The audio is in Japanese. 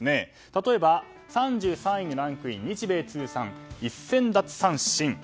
例えば３３位にランクイン日米通算１０００奪三振。